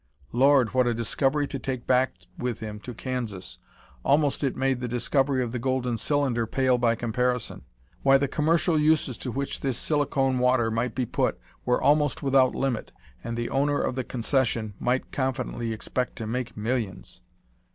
Lord, what a discovery to take back with him to Kansas! Almost it made the discovery of the golden cylinder pale by comparison. Why, the commercial uses to which this silicon water might be put were almost without limit, and the owner of the concession might confidently expect to make millions!